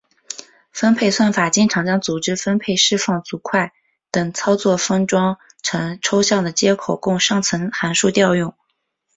分配算法经常将组织分配释放组块等操作封装成抽象的接口供上层函数调用。